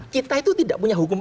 kita itu tidak punya hukum